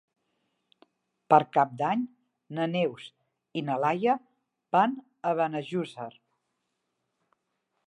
Per Cap d'Any na Neus i na Laia van a Benejússer.